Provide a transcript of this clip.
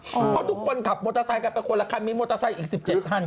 เพราะทุกคนขับมอเตอร์ไซค์กันไปคนละคันมีมอเตอร์ไซค์อีก๑๗คัน